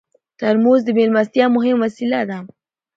ترموز د میلمستیا مهم وسیله ده.